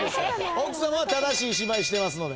奥さんは正しい芝居してますので。